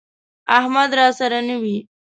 احمد راسره نه وي،